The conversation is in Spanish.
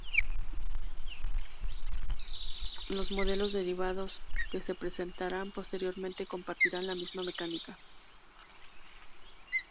Los modelos derivados que se presentarán posteriormente compartirán la misma mecánica.